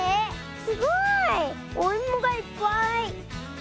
すごい。おいもがいっぱい。